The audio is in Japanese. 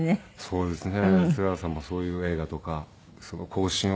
そうですね。